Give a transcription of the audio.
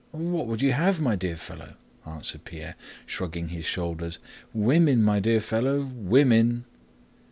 "What would you have, my dear fellow?" answered Pierre, shrugging his shoulders. "Women, my dear fellow; women!"